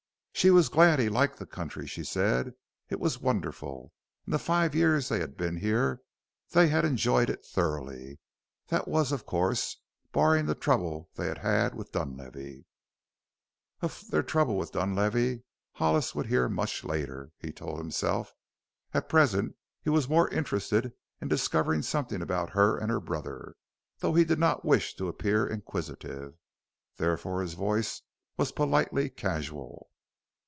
She was glad he liked the country, she said. It was wonderful. In the five years they had been here they had enjoyed it thoroughly that was, of course, barring the trouble they had had with Dunlavey. Of their trouble with Dunlavey Hollis would hear much later, he told himself. At present he was more interested in discovering something about her and her brother, though he did not wish to appear inquisitive. Therefore his voice was politely casual.